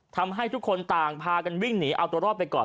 ทำให้ทุกคนต่างพากันวิ่งหนีเอาตัวรอดไปก่อน